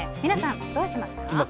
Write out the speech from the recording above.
皆さん、どうしますか？